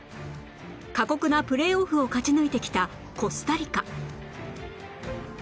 過酷なプレーオフを勝ち抜いてきたコスタリカ